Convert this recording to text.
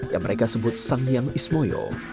yang mereka sebut sang hyang ismoyo